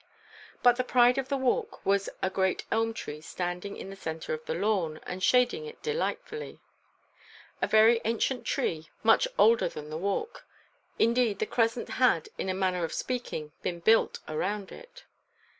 But the pride of the Walk was a great elm tree standing in the centre of the lawn, and shading it delightfully. A very ancient tree, much older than the Walk: indeed, the crescent had, in a manner of speaking, been built round it.